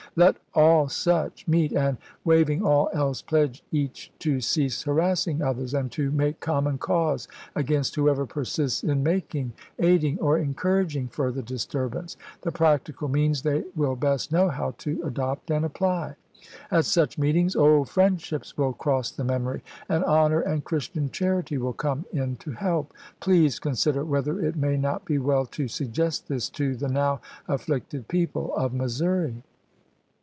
Let all such meet, and, waiving all else, pledge each to cease harassing others, and to make common cause against whoever persists in making, aid ing, or encouraging further disturbance. The practical means they will best know how to adopt and apply. At such meetings old friendships will cross the memory, and honor and Christian charity will come in to help. Please consider whether it may not be well to suggest this to the now afflicted people of Missouri.